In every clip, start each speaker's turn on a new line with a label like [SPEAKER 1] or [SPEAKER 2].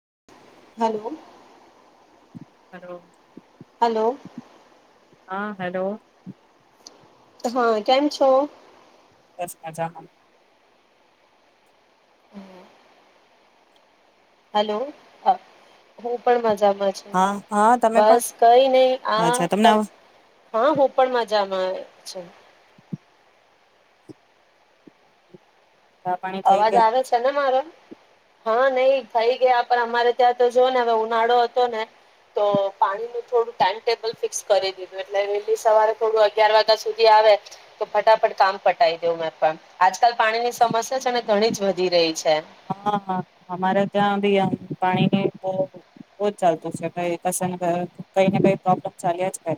[SPEAKER 1] [inaudible]
[SPEAKER 2] Hello.
[SPEAKER 1] Hello.
[SPEAKER 2] Hello.
[SPEAKER 1] હા hello.
[SPEAKER 2] હા કેમ છો?
[SPEAKER 1] બસ મજામાં.
[SPEAKER 2] હલો હા હું પણ મ જામા છું
[SPEAKER 1] હા હા તમે પણ
[SPEAKER 2] બસ કઈ નઈ આ
[SPEAKER 1] અચ્છા તમને આવ
[SPEAKER 2] હા હું પણ મજામાં. હા છે.
[SPEAKER 1] ચા પાણી થઈ
[SPEAKER 2] અવાજ
[SPEAKER 1] ગયા
[SPEAKER 2] આવે છે ને મારો? હા નઈ થઈ ગયા પણ અમારે ત્યાં તો જો ને હવે ઉનાળો હતો ને તો પાણી નું થોડું ટાઈમટેબલ ફિક્સ કરી દીધું એટલે વેલી સવારે થોડું અગિયાર વાગ્યા સુધી આવે તો ફટાફટ કામ પટાઈ દેવ મેં પણ. આજ કલ પાણીની સમસ્યા ઘણી જ વધી રહી છે.
[SPEAKER 1] હા હ અમારે ત્યાં બી એમ પાણી બ બજ ચાલતું છે ક કહે ન કઈને કઈ પ્રોબ્લેમ ચાલ્યા જ કરે.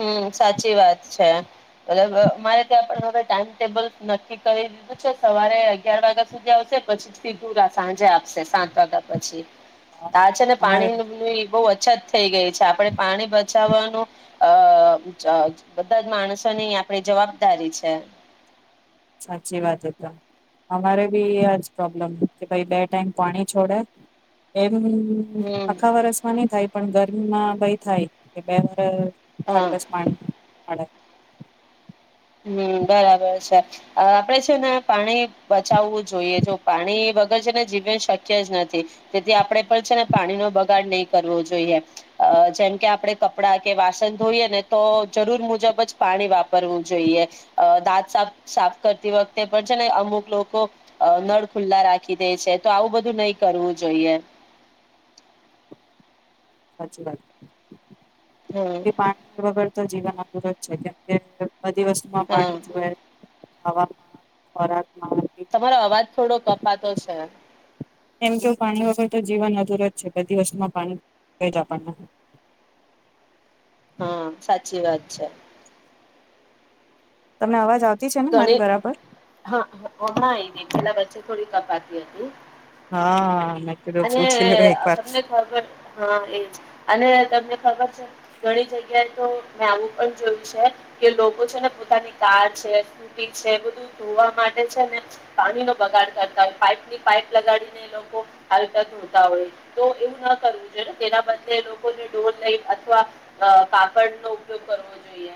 [SPEAKER 2] હમ્મ સાચી વાત છે મતલબ મારે ત્યાં પણ હવે ટાઈમટેબલ નક્કી કરી દીધું છે સવારે અગિયાર વાગ્યા સુધી આવશે પછીથી પૂરા સાંજે આપશે સાત વાગ્યા પછી. તા છે ને
[SPEAKER 1] અમારે
[SPEAKER 2] પાણીની બહુ અછત. થઈ ગઈ છે આપણે પાણી બચાવવાનું. અ જ બધા જ માણસોની આપણી જવાબદારી છે.
[SPEAKER 1] સાચી વાત એ તો અમારે ભી એ જ પ્રોબ્લેમ કે ભઇ બે ટાઈમ પાણી છોડે એમ [unintelligible]
[SPEAKER 2] હમ
[SPEAKER 1] આખા વરસ માં નહી થાય પણ ગર ના ભઇ થાય કે બે પર
[SPEAKER 2] હા.
[SPEAKER 1] ખરી બસ પાણી મળડે
[SPEAKER 2] હમ બરાબર છે આપણેે છે ને પાણી બચાવવું જોઈએ જો પાણી વગર છે ને જીવન શક્ય જ નથી તેથી આપણેે પણ છે ને પાણી નો બગાડ નહીં કરવો જોઈએ જેમ કે આપડણે કપડા કે વાસન ધોઈએ ને તો જરૂર મુજબ જ પાણી વાપરવું જોઈએ દાંત સા સાફ કરતી વખતે પણ છે ને અમુક લોકો નળ ખુલ્લા રાખી દે છે તો આવું બધું નહી કરવું જોઈએ
[SPEAKER 1] સાચચી વાત
[SPEAKER 2] હમ
[SPEAKER 1] કે પાણી વગર તો જીવન ર જ છે કેમ કે બધી વસ્તુ માં
[SPEAKER 2] હા
[SPEAKER 1] પાણી જોય હવામાન ખોરાકમાં
[SPEAKER 2] તમારો અવાજ થોડો કપાતો છે.
[SPEAKER 1] એમ કે પાણી વગર તો જીવન અધુર જ છે બધી વસ્તુમાં પાણી જો વે જ આપણને
[SPEAKER 2] હા સાચી વાત છે.
[SPEAKER 1] તમને અવાજ આવતા
[SPEAKER 2] ગણી હા હણા ગ પેલા બંધ થોડી કપાતી હતી.
[SPEAKER 1] હા મે તીધું
[SPEAKER 2] અને
[SPEAKER 1] પૂછી લો એક વાર
[SPEAKER 2] તમને ખબર હા એજ અને તમને ખબર ઘણી જગ્યા. તો મેં આવું પણ જોયું છે કે લોકો છે ને પોતાની કાર છે છે બધું ધોવા માટે છે ને પાણી નો બગાડ કરતા હોય પાઈપની પાઈપ લગાડીને લોકો હાલકા ધોતા હોય તો એવું ના કરવું જોઈએ તેના બદલે લોકોને ડોલ લઈન અથવા કાપડ નો ઉપયોગ કરવો જોઈએ.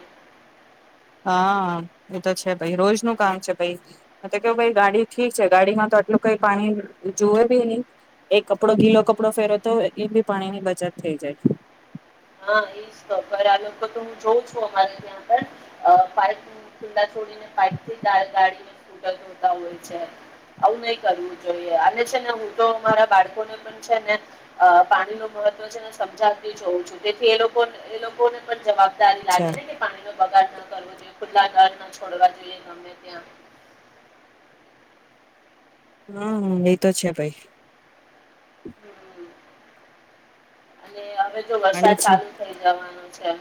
[SPEAKER 1] હા એ તો છે ભાઈ રોજ ન કામ છે ભાઈ તો કેવુંાઈ ગાડી ઠીક છે ગાડીમાં તો આટલું કઈ પાણી જુવે બી નહી એક કપડો ગીલો
[SPEAKER 2] હમ હમ
[SPEAKER 1] કપડો ફેરો તો એ બી પાણીની બચત થઈ જાય.
[SPEAKER 2] હા એજ તો આ લોકો તો હું જોઉં છું અમારે ત્યાં પણ પાઇપ ખુલા છોડીને પાઇપ થી ગાડીને તા હોય છે આવું નઈ કરવું જોઈએ અને છે ને હું તો અમારા બાળકોને પણ છે ને પાણી નુ મહત્વ છે ને સમજાવતી જોઉં છું. તેથી એ લોકો એ લોકોને પણ જવાબ દારી
[SPEAKER 1] અચ્છા
[SPEAKER 2] લાગે કે પાણીનો બગાડ ના કરવો જોઈએ ખુલ્લા ડર ના છોડવા જોઈએ ગમે ત્યાં
[SPEAKER 1] હમ એ તો છે ભાઈ
[SPEAKER 2] હમ [unintelligible] અને અ હવે તો
[SPEAKER 1] પાણી
[SPEAKER 2] વરસાદ
[SPEAKER 1] છે
[SPEAKER 2] ચાલુ થઇ જવાનો અચ્છા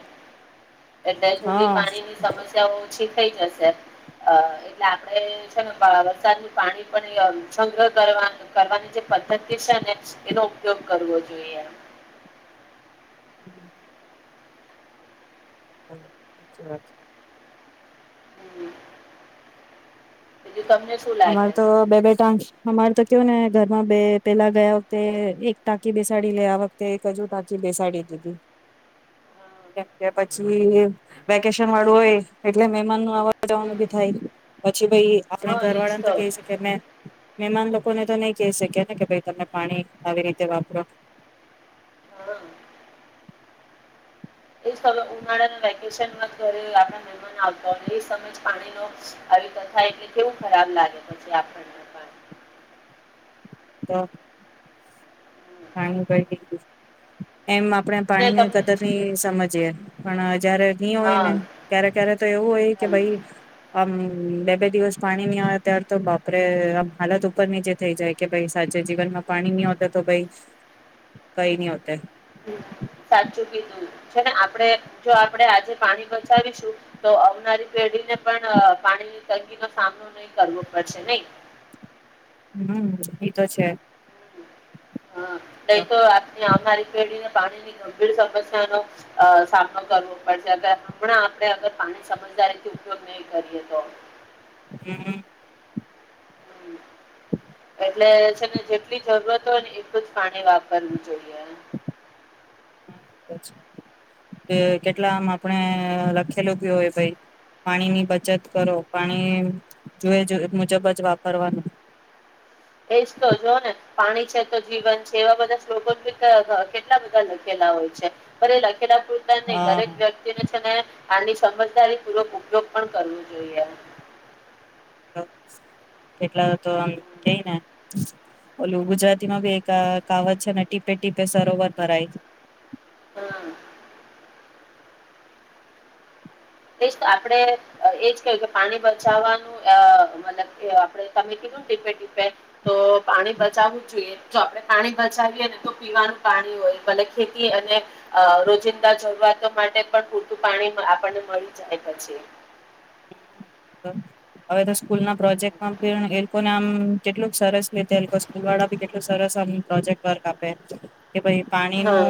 [SPEAKER 2] એટલે થોડી
[SPEAKER 1] હા
[SPEAKER 2] પાણી ની સમસ્યા ઓછી થઈ જશે અ એટલે આપણે છે ને વરસાદ પાણી પણ સંગ્રહ કરવા કરવાની જે પદ્ધતિ છે ને એનો ઉપયોગ કરવો જોઈએ
[SPEAKER 1] હમ ભલે સાચી વાત છે
[SPEAKER 2] હમ બીજું તમને શું લાગે?
[SPEAKER 1] અમારે તો બે બેટાં અમારે તો કયો ને ઘરમાં બે પેલા ગયા વખતે એક ટાંકી બેસાડી લે આ વખતે એક હજુ ટાંકી બેસાડી દીધી
[SPEAKER 2] હા
[SPEAKER 1] કેમ કે પછી વેકેશન વાળું હોય એટલે મેહમાનનું અવાનું જવાનું
[SPEAKER 2] હમ
[SPEAKER 1] ભી થાય પછી ભઈ
[SPEAKER 2] હા એજ
[SPEAKER 1] ઘરવાળા ને તો કહી શકે મેં મહેમાન લોકોને તો નહી કહી શકે ને કે ભાઈ તમે પાણી આવી રીતે વાપરો
[SPEAKER 2] હા. એ સમ ઉનાળાના વેકેશન ઘરે આપ મહેમાન આવતા હોય એ સમય જ પાણી ન આવી ક થાય એટલે કેવું ખરાબ લાગે પછી આપણને
[SPEAKER 1] તો
[SPEAKER 2] હમ.
[SPEAKER 1] પાણી [unintelligible] [unintelligible] એમ આપણે પાણી ને કદરની સમજીએ પણ જયારે નહી હોય ને
[SPEAKER 2] હા
[SPEAKER 1] ક્યારે ક્યારે તો એવું હોય કે
[SPEAKER 2] હમ
[SPEAKER 1] ભાઈ આમ બે બે દિવસ પાણી નહી આવે ત્યાર તો બાપરે આમ હાલત ઉપર નીચે થઈ જાય કે ભાઈ સાંજે જીવનમાં પાણી નહી હોતા તો ભાઈ કઈ નહી હોત એમ
[SPEAKER 2] સાચું કીધું છે ને આપણે જો આપણેે આજે પાણી બચાવીશું તો આવનારી પેઢીને પણ પાણીની તંગી નો સામનો નહી કરવો પડશે નઈ
[SPEAKER 1] હમ એ તો છે
[SPEAKER 2] હા નઈ તો આપની આવનારી પેઢીને પાણીની ગંભીર સમસ્યાનો અ સામનો કરવો પડશે અ હમણાં આપે અગર પાણી સમજદારીથી ઉપયોગ નહી કરીએ તો
[SPEAKER 1] હમ
[SPEAKER 2] એટલે છે ને જેટલી જરૂરત હોય ને એટલું જ પાણી વાપરવું જોઈએ
[SPEAKER 1] કે કેટલામ આપણે લખેલું હોય ભઈ પાણી ની બચત કરો પાણી જોઈ એ મુજબ જ વાપરવાનું
[SPEAKER 2] એજ તો જો ને પાણી છે તો જીવન છે એવા બધા શ્લોગ કેટલા અ કેટલા બધા લખેલા હોય છે પર એ ખે પૂતા [unintelligible] નહી દરેક
[SPEAKER 1] હા
[SPEAKER 2] વ્યક્તિને છે [inaudible] આની સમજદારી પૂર્વક ઉપયોગ પણ કરવો જોઈએ
[SPEAKER 1] કેટલા તો આમ કઈ ને ઓલું ગુજરાતીમાં બી એક કાવત છે ને ટીપે ટીપે સરોવર ભરાય
[SPEAKER 2] હા એજ તો આપડે એજ કહું કે પાણી બચાવવાનું અ મતલબ અ આપડ તમે કીધું ટીપે ટીપે તો પાણી બચાવવું જોઈએ જો આપણે પાણી બચાવીએ ને તો પીવાનું પાણી હોય ભલે ખેતી અને અ રોજિંદા જરૂરતો માટે પણ પૂરતું પાણી આપણને મળ્યું જાય પછી
[SPEAKER 1] હવે તો સ્કૂલના પ્રોજેક્ટમાં એ લોકોને આમ કેટલુંક સરસ રીતે લોકો સ્કૂલ વાળાી કેટલું સરસ આ પ્રોજેક્ટ વર્ક આપે કે ભાઈ પાણી નું
[SPEAKER 2] હા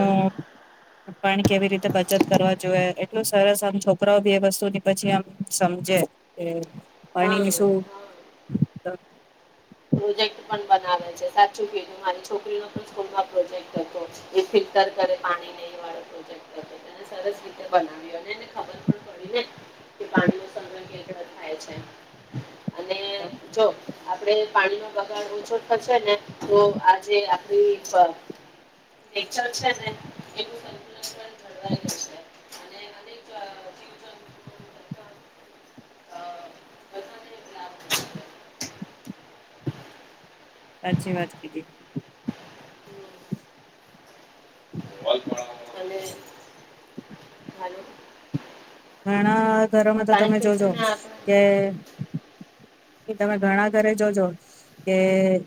[SPEAKER 1] પાણી કેવી રીતે બચત કરવા જોએ એટલું સરસ આમ છો બે વસ્તુ ની પછી આમ સમજે એ
[SPEAKER 2] હા
[SPEAKER 1] પાણીની શું
[SPEAKER 2] હા પ્રોજેક્ટ પણ બનાવે છે સાચું કીધું મારી છોકરીનો પણ સ્કૂલમાં પ્રોજેક્ટ હતો એ ફિલ્ટર કરે પાણી ન વાળો પ્રોજેક્ટ હતો તેને સરસ રીતે બનાવ્યો અને એને ખબર પણ પડી ને કે પાણી ન કદર કેમ થાય છે અને જો આપડે પાણી ન બગાડ ઓછો થશેને તો આ જે આપડી [unintelligible] અ પસ [unintelligible]
[SPEAKER 1] સાચી વાત કીધી
[SPEAKER 2] હ હલો
[SPEAKER 1] ઘણા ઘરોમાં તો તમે
[SPEAKER 2] કે છે
[SPEAKER 1] જોજો
[SPEAKER 2] ને આપણે
[SPEAKER 1] કે તમે ઘણા ઘરે જોજો કે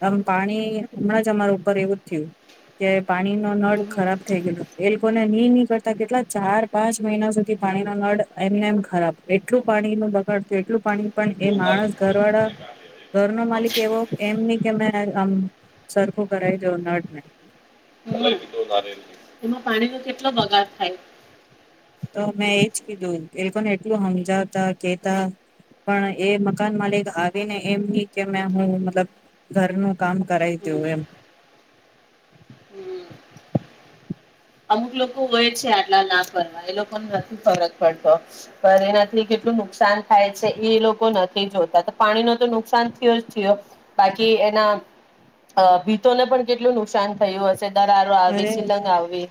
[SPEAKER 1] આમ પાણી હમણાં જ અમારા ઉપર એવું જ થયું કે પાણી નો નળ
[SPEAKER 2] હમ,
[SPEAKER 1] ખરાબ થઈ ગયલો એ લોકો ને નિ કેટલા ચાર પાંચ મહિના સુધી પાણીના નળ એમને એમ ખરાબ એટલું પાણી નું બગાડ થયું એટલું ણી પણ એ માણસ ઘર વાળા ઘર નો માલિક એવો એમ નહ કે મેં આમ સરખું કરાવી દઉ નળ ને
[SPEAKER 2] હમ. એમાં પાણી ન કેટલો બગાડ થાય
[SPEAKER 1] તો મેં એજ કીધું એ લોકોને એટલું સમજાવતા કેતા પણ એ મકાન માલિક આવી ને એમ નહી કે મેં હું મતલબ ઘરનું કામ કરાવી
[SPEAKER 2] હમ,
[SPEAKER 1] દું એમ
[SPEAKER 2] હમ. અમુક લોકો હોય છે આટલા ના ફરવા એ લોકોનો નથી ફરક પડતો પણ એનાથી કેટલું નુકસાન થાય છે એ લોકો નથી જોતા તો પાણી ન તો નુકસાન થયો જ થયો બાકી એના અ ભીતોને પણ કેટલું નુકસાન થયું દરારો આવે
[SPEAKER 1] અરે
[SPEAKER 2] શિલંગ આવે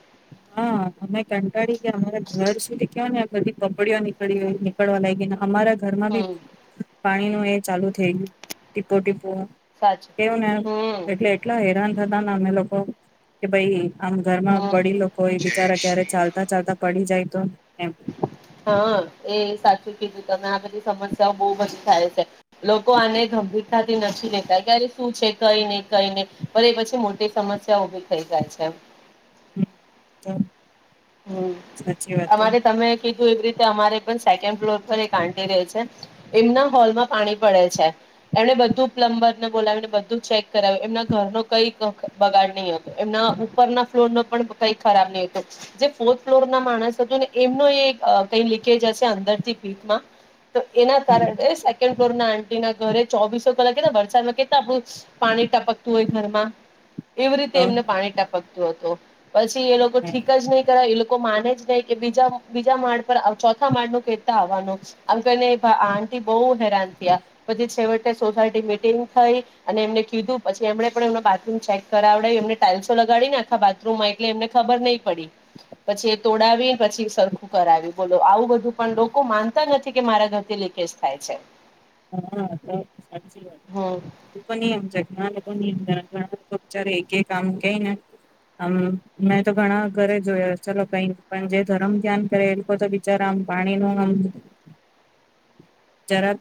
[SPEAKER 1] હા અમે કંટાળી ગયા અમારા ઘર સુધ ને બધી કપડીઓ નીકળી નીકળવા લાગીને અમારા ઘરમાં બી
[SPEAKER 2] હમ
[SPEAKER 1] પાણી નો ચાલુ થઈ ગયું ટીપો ટ
[SPEAKER 2] સાચું
[SPEAKER 1] કેવું ને
[SPEAKER 2] હમ
[SPEAKER 1] એટલે એટલા હેરાન થતા ને અમે લોકો કે ભાઈ આમ ઘરમાં
[SPEAKER 2] હમ
[SPEAKER 1] વડી લોકોય બિચારા ક્યારે ચાલતા ચાલતા પડી જાય તો એમ
[SPEAKER 2] હા એ સાચું કીધું તમે આ બધી સમસ્યાઓ બહુ બધી થાય છે લોકો આને ગંભીરતાથી નથી લેતા કે અરે શું છે કઈ નહી કઈ નહી પણ એ પછી મોટી સમસ્યા ઉભી થઈ જાય છે
[SPEAKER 1] તો
[SPEAKER 2] હમ
[SPEAKER 1] સાચી વાત તો
[SPEAKER 2] અમારે તમે ક એવી રીતે અમારે પણ સેકન્ડ ફ્લોર પર એક આટી ર છે એમના હોલમાં પાણી પડે છે એમને બધું પ્લમ્બરને બોલાવીને બધું ચેક કરાવ્યું એમના ઘર ન કઈક બગાડ નહી હતો એમના ઉપરના ફ્લોર નો પણ કઈ ખરાબ નહ હતું જે ફોર્થ ફ્લોર ના માણસ હતું ને એમનું એ કઈ લીકેજ હશે અંદરથી ભીતમાં તો એના
[SPEAKER 1] હમ
[SPEAKER 2] તારને સેકન્ડ આ ના ઘરે ચોવીસો કલાક કે વરસાદમાં કેતા પાણી ટપકતું હોય ઘરમાં એવી રીતે
[SPEAKER 1] તો
[SPEAKER 2] એમને પાણી ટપક. હતો. પછી એ લોકો ઠીક જ નહીં. માને જ નહી બીજા માળ પર ચોથા માળ ન કતા આવવાનુંમ કને આ બહ હેરાન થયા પછી છેટે સોસાયટી મીટિંગ થઈ અને એમને કીધું પછ એમને પણ એમ બાથરૂમ ચેક કરાવડાવ્યો એમને ટાઇલ્સો લગાડી ને આખા બાથરૂમ માં એટલે એમને ખબર નહી પડી. પછી એ તોડાવી પછી સરખું કરાવ્યું બોલો આવું બધું પણ લોકો માનતા નથી કે મારા ઘર થી લીકેજ થાય છે.
[SPEAKER 1] હા સાચી વાત
[SPEAKER 2] હમ
[SPEAKER 1] પણ્ છે. જ્ઞાનમાર્ગી ઘણા લોકો બચ એક એક આમ કઈ ને આમ મેં તો ઘણા ઘરે જોયા ચલો કઈ પણ જે ધરમ ધ્યાન કરે એ લોકો તો બિચારા આમ પાણી ન આમ જરા.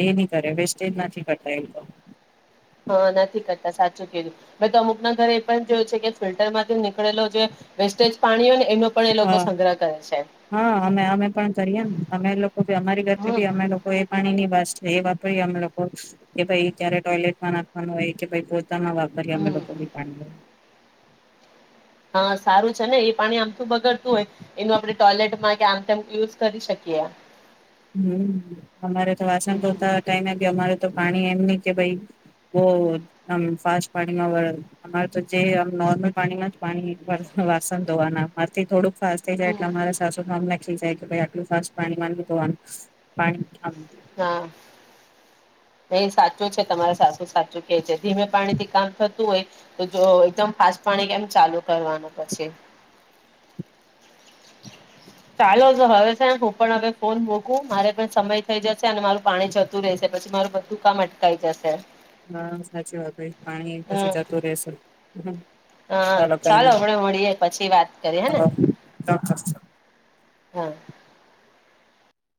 [SPEAKER 1] એ નહી કરે વેસ્ટેજ નથી કરતા. એ લોકો
[SPEAKER 2] હા નથી કરતા સાચું કીધું મે તો અમુક ના ઘરે એ પણ જોય છે. કે ફિલ્ટર માંથી નીકળેલો જે વેસ્ટેજ પાણી હોય નેં
[SPEAKER 1] હા, હા અમે અમે પણ કરીએ ને અમે લોકોની અમારી ઘર
[SPEAKER 2] હમ
[SPEAKER 1] ભી અમે લોકો એ પાણી ની વેસ્ટ છે. એ વાત. મ લોકો કે ભાઈ ત્યારે ટોયલેટ માં નાખવાનું હોય. કે તવા ઓમાં ભરી વાપરીએ અમે
[SPEAKER 2] હમ
[SPEAKER 1] લોકોની પાણી
[SPEAKER 2] હા સારું છે. ને એ પાણી આમ તો બગડતું હોય એનું આપડે. ટોયલેટ માં કે આમ તેમ યુઝ કરી શકીએ.
[SPEAKER 1] હમ, અમારે તો વાસણ ધોતા ટાઈમ મળે તો પાણી એમ નહી કે ભાઈ બહુ આમ ફાસ્ટ પાણીમાં અમારે તો જે આમ નોર્મલ પાણીમાં જ પાણી વાસણ ધોવાના અમાંથી થોડુંક. ફાસ્ટ થઈ જાય
[SPEAKER 2] હમ
[SPEAKER 1] એટલે મારે સાસુ અમને ખિજાય કે આટલું ફાસ્ટ પાણી મા નહીં ધોવા નુ. પાણી
[SPEAKER 2] હા એ સાચું છે. તમારે સાસું સાચું કે છે. ધીમે પાણી થી કામ થતું હોય તો જો એકદમ ફાસ્ટ પાણી કેમ ચાલુ કરવાનું પછી. ચાલો તો હવે છે. હું પણ હવે ફોન મૂકું મારે પણ સમય થઈ જશે અને મારું પાણી જતું રહેેશે પછી મારું બધું કામ અટકાય જશે.
[SPEAKER 1] હા. સાચી વાત ભાઈ પાણી પછી
[SPEAKER 2] હમ
[SPEAKER 1] જતું રહેશે હુ
[SPEAKER 2] હા, ચાલો આપડે. મળીએ પછી વાત કરીએ હેને
[SPEAKER 1] હા, ચોક્કસ
[SPEAKER 2] હા.